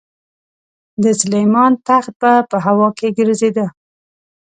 د سلیمان تخت به په هوا کې ګرځېده.